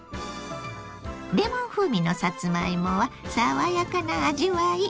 レモン風味のさつまいもは爽やかな味わい。